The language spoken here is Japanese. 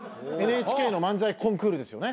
ＮＨＫの漫才コンクールですよね？